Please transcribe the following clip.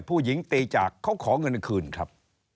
ผู้หญิงตีจากเขาขอเงินคืนครับ